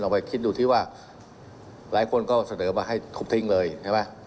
ไปคิดดูที่ว่าหลายคนก็เสนอมาให้ทุบทิ้งเลยใช่ไหม